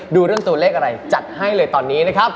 ดูเรื่องตัวเลขอะไรจัดให้เลยตอนนี้นะครับ